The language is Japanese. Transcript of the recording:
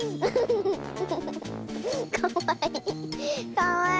かわいい！